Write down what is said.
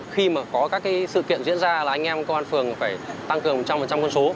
khi mà có các sự kiện diễn ra là anh em công an phường phải tăng cường một trăm linh quân số